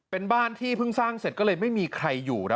เป็นบ้านที่พึ่งสร้างเป็นเด็กมาได้ไม่มีใครอยู่นะ